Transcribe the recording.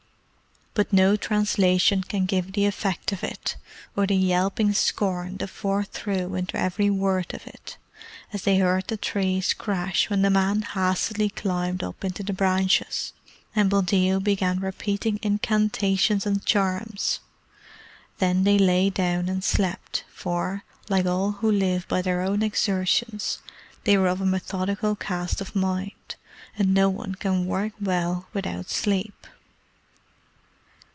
But no translation can give the effect of it, or the yelping scorn the Four threw into every word of it, as they heard the trees crash when the men hastily climbed up into the branches, and Buldeo began repeating incantations and charms. Then they lay down and slept, for, like all who live by their own exertions, they were of a methodical cast of mind; and no one can work well without sleep.